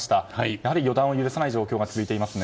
やはり予断を許さない状況が続いていますね。